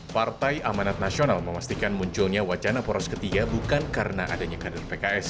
partai amanat nasional memastikan munculnya wacana poros ketiga bukan karena adanya kader pks